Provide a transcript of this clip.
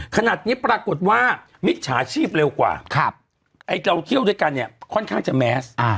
ขนาดนี้ปรากฏว่ามิจฉาชีพเร็วกว่าไอ้เราเที่ยวด้วยกันเนี่ยค่อนข้างจะแมส